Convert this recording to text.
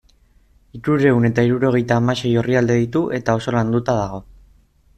Hirurehun eta hirurogeita hamasei orrialde ditu eta oso landua dago.